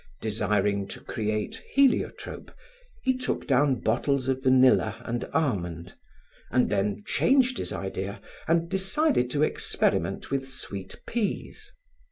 Desiring to create heliotrope, he took down bottles of vanilla and almond, then changed his idea and decided to experiment with sweet peas.